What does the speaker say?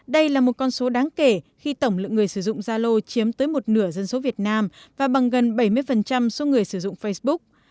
đây là một con số đáng kể khi tổng lượng người sử dụng zalo chiếm tới một nửa dân số việt nam và bằng gần bảy mươi số người sử dụng facebook